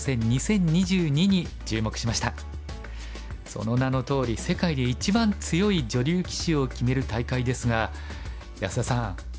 その名のとおり世界で一番強い女流棋士を決める大会ですが安田さん